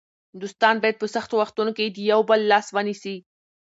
دوستان باید په سختو وختونو کې د یو بل لاس ونیسي.